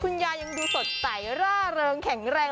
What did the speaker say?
คุณยายยังดูสดใสล่ะเริงแข็งแรง